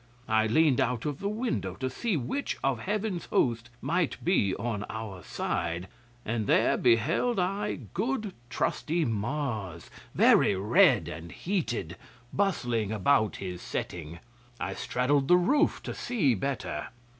I leaned out of the window to see which of Heaven's host might be on our side, and there beheld I good trusty Mars, very red and heated, bustling about his setting. I straddled the roof to see better.